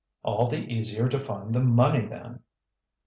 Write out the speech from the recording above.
"All the easier to find the money then!"